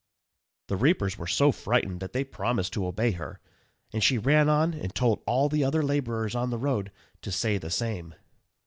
The reapers were so frightened that they promised to obey her. And she ran on and told all the other labourers on the road to say the same.